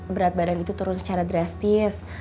berat badan itu turun secara drastis